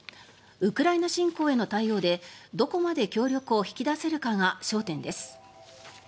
ウクライナ侵攻への対応でどこまで協力を引き出せるかが焦点です。